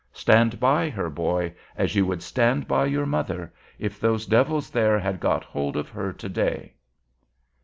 Stand by Her, boy, as you would stand by your mother, if those devils there had got hold of her to day!"